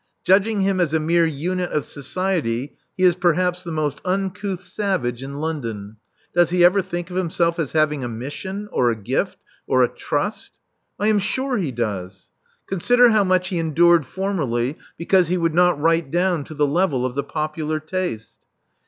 Judging him as a mere unit of society, he is perhaps the most uncouth savage in London. Does he ever think of himself as having a mission, or a g^ft, or a trust?" I am sure he does. Consider how much he endured formerly because he would not write down to the level of the popular taste."